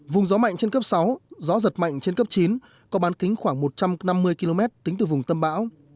vùng gió mạnh trên cấp sáu gió giật mạnh trên cấp chín có bán kính khoảng một trăm năm mươi km tính từ vùng tâm bão